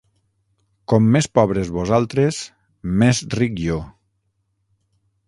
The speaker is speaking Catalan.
Com més pobres vosaltres; més ric jo!